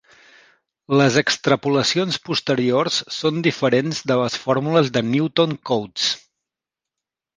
Les extrapolacions posteriors són diferents de les fórmules de Newton Cotes.